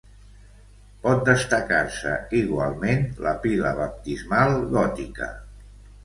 Pot destacar-se igualment la pila baptismal gòtica.